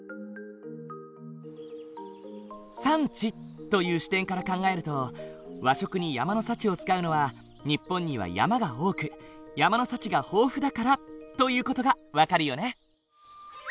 「山地」という視点から考えると和食に山の幸を使うのは日本には山が多く山の幸が豊富だからという事が分かるよね。